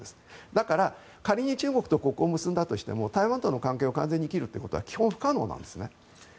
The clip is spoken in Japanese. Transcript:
だから、仮に中国と国交を結んだとしても台湾との関係を完全に切ることは基本、不可能なんですね。